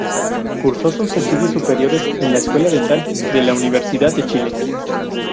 Cursó sus estudios superiores en la Escuela Dental de la Universidad de Chile.